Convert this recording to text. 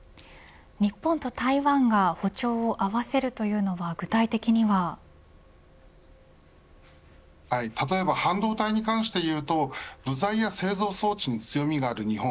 日本と台湾が歩調を合わせるというのは例えば半導体に関して言うと部材や製造装置に強みのある日本。